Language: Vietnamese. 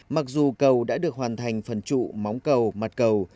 mặc dù cầu đã được hoàn thành phần trụ móng cầu mặt cầu